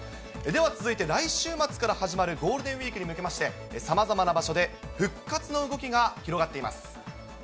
では続いて、来週末から始まるゴールデンウィークに向けまして、さまざまな場所で復活の動きが広がっています。